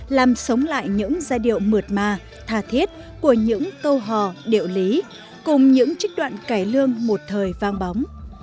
làm sống lại những giai điệu mượt mà thà thiết của những câu hò địa lý cùng những trích đoạn cải lương một thời vang bóng